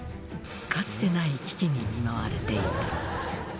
「かつてない危機に見舞われていた」